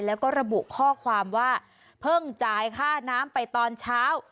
แล้วก็ระบุข้อความว่าเพิ่งจ่ายค่าน้ำไปตอนเช้า